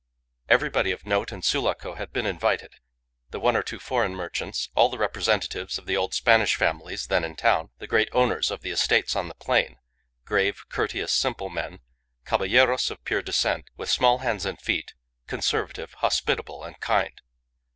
Everybody of note in Sulaco had been invited the one or two foreign merchants, all the representatives of the old Spanish families then in town, the great owners of estates on the plain, grave, courteous, simple men, caballeros of pure descent, with small hands and feet, conservative, hospitable, and kind.